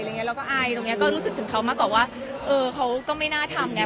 เราก็อายตรงนี้ก็รู้สึกถึงเขามากกว่าว่าเออเขาก็ไม่น่าทำไง